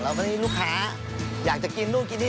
แล้วตอนนี้ลูกค้าอยากจะกินรู้กินที่นี่